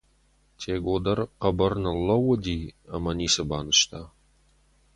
Тего дӕр хъӕбӕр ныллӕууыди ӕмӕ ницы банызта.